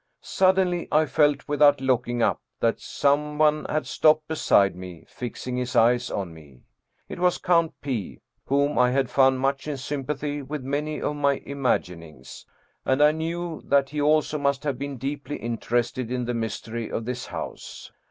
Sud denly I felt, without looking up, that some one had stopped beside me, fixing his eyes on me. It was Count P., whom I had found much in sympathy with many of my imag inings, and I knew that he also must have been deeply interested in the mystery of this house.